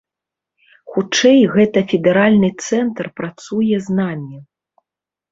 Хутчэй, гэта федэральны цэнтр працуе з намі.